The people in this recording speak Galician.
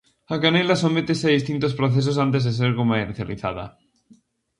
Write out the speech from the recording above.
A canela sométese a distintos procesos antes de ser comercializada.